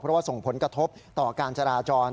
เพราะว่าส่งผลกระทบต่อการจราจร